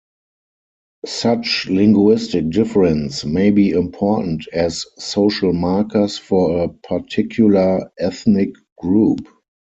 Such linguistic difference may be important as social markers for a particular ethnic group.